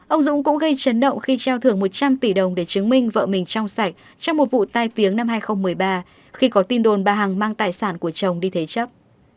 ông dũng cũng gây chấn động khi trao thưởng một trăm linh tỷ đồng để chứng minh vợ mình trong sạch trong một vụ tai tiếng năm hai nghìn một mươi ba khi có tin đồn bà hằng mang tài sản của chồng đi thế chấp